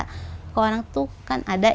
kalau orang tuh kan ada